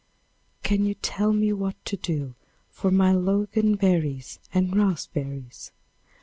Can you tell me what to do for my Loganberries and raspberries?